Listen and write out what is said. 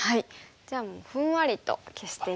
じゃあもうふんわりと消していきます。